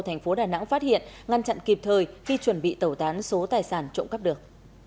thành phố đà nẵng phát hiện ngăn chặn kịp thời khi chuẩn bị tẩu tán số tài sản trộm cắp được